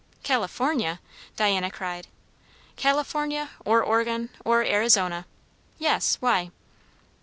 "California!" Diana cried. "California; or Oregon; or Arizona. Yes; why?"